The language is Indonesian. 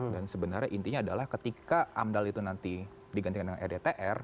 dan sebenarnya intinya adalah ketika amdal itu nanti digantikan rdtr